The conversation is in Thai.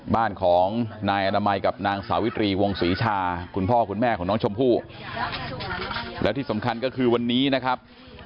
บ้านของนายอนามัยกับนางสาวิตรีวงศรีชาคุณพ่อคุณแม่ของน้องชมพู่แล้วที่สำคัญก็คือวันนี้นะครับ